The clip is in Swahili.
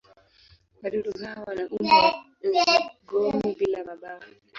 Wadudu hawa wana umbo wa nzi-gome bila mabawa.